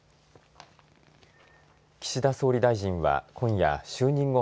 岸田総理大臣は今夜就任後